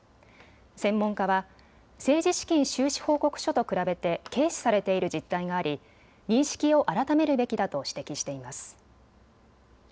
専門家は政治資金収支報告書と比べて軽視されている実態があり認識を改めるべきだと指摘しています。